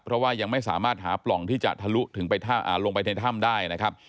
เพราะว่ายังไม่สามารถหาปล่องที่จะทะลุถึงลงไปในถ้ำได้นะครับ